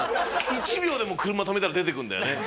１秒でも車止めたら出てくるんだよね。